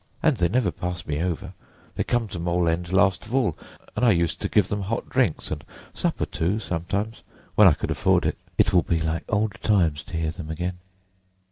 And they never pass me over—they come to Mole End last of all; and I used to give them hot drinks, and supper too sometimes, when I could afford it. It will be like old times to hear them again."